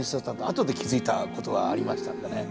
後で気付いたことがありましたんでね。